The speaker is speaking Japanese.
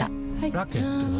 ラケットは？